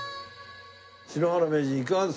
篠原名人いかがですかね？